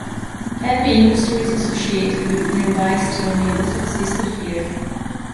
Heavy industries associated with nearby steel mills existed here.